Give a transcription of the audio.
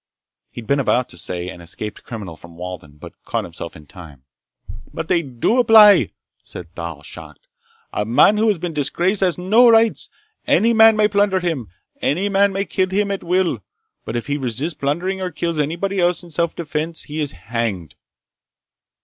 He'd been about to say an escaped criminal from Walden, but caught himself in time. "But they do apply!" said Thal, shocked. "A man who has been disgraced has no rights! Any man may plunder him, any man may kill him at will. But if he resists plundering or kills anybody else in self defense, he is hanged!"